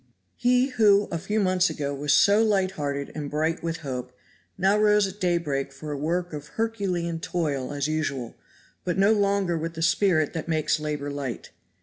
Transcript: HE who a few months ago was so lighthearted and bright with hope now rose at daybreak for a work of Herculean toil as usual, but no longer with the spirit that makes labor light.